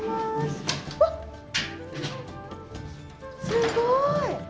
すごい！